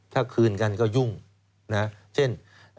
ถ้าคืนกันก็ยุ่งเช่น